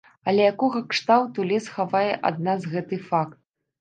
Але якога кшталту лес хавае ад нас гэты факт?